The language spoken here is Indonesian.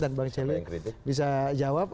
dan bang celi bisa jawab